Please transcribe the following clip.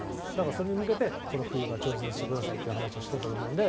それに向けて冬場に調整してくださいという話をしていたと思うので。